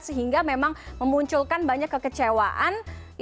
sehingga memang memunculkan banyak kekecewaan